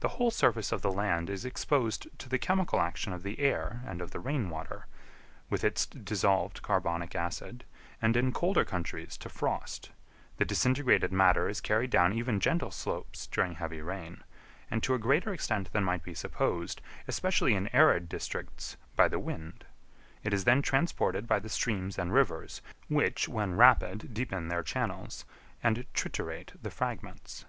The whole surface of the land is exposed to the chemical action of the air and of the rainwater, with its dissolved carbonic acid, and in colder countries to frost; the disintegrated matter is carried down even gentle slopes during heavy rain, and to a greater extent than might be supposed, especially in arid districts, by the wind; it is then transported by the streams and rivers, which, when rapid deepen their channels, and triturate the fragments.